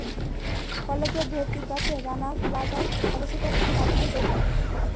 কলেজে ভর্তির টাকা জোগাতে রানা প্লাজায় অবস্থিত একটি কারখানায় যোগ দেয়।